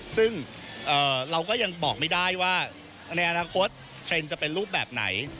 ซึ่งเราก็ยังบอกไม่ได้ว่าในอนาคตเทรนด์จะเป็นรูปแบบไหน